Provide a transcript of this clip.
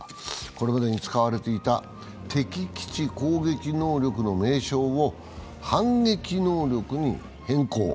これまでに使われていた敵基地攻撃能力の名称を反撃能力に変更。